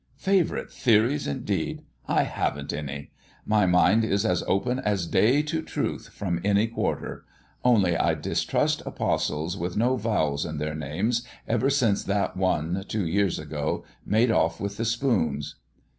Favourite theories, indeed! I haven't any. My mind is as open as day to truth from any quarter. Only I distrust apostles with no vowels in their names ever since that one, two years ago, made off with the spoons."